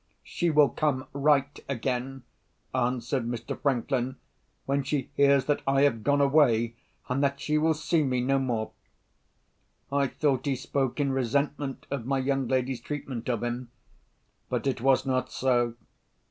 "She will come right again," answered Mr. Franklin, "when she hears that I have gone away, and that she will see me no more." I thought he spoke in resentment of my young lady's treatment of him. But it was not so.